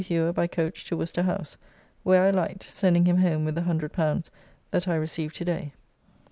Hewer by coach to Worcester House, where I light, sending him home with the L100 that I received to day.